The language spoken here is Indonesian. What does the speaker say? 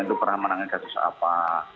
itu peramanangan kasus apa